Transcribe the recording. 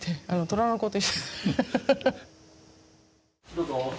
どうぞ。